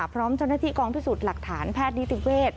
พร้อมเจ้าหน้าที่กองพิสูจน์หลักฐานแพทย์นิติเวศ